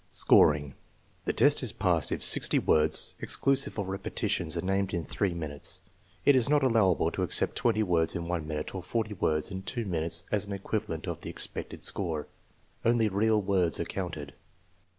Scoring. The test is passed if sixty words, exclusive of repetitions, are named in three minutes. It is not allow able to accept twenty words in one minute or forty words TEST NO. X, 6 273 in two minutes as an equivalent of the expected score. Only real words are counted.